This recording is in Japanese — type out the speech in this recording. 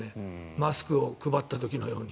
マスクを配った時のように。